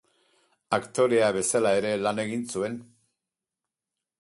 Aktorea bezala ere lan egin zuen.